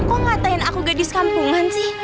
kok ngatain aku gadis kampungan sih